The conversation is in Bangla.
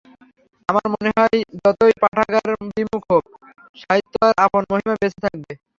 আমার মনে হয়, যতই পাঠাগারবিমুখ হোক, সাহিত্য তার আপন মহিমায় বেঁচে থাকবে।